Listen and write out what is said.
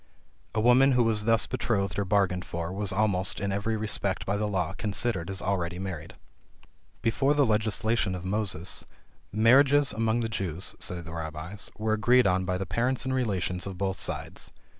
A woman who was thus betrothed or bargained for, was almost in every respect by the law considered as already married. Before the legislation of Moses, "marriages among the Jews," say the Rabbies, "were agreed on by the parents and relations of both sides.